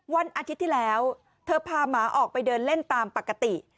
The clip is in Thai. วันอาทิตย์ที่แล้วเธอพาหมาออกไปเดินเล่นตามปกติ